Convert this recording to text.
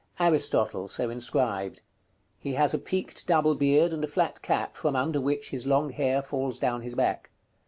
_ "ARISTOTLE:" so inscribed. He has a peaked double beard and a flat cap, from under which his long hair falls down his back.